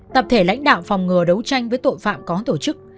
tập thể lãnh đạo phòng ngừa đấu tranh với tội phạm có tổ chức